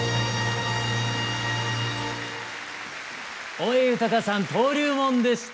大江裕さん「登竜門」でした。